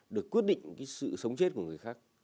được quyết định cái sự sống chết của người khác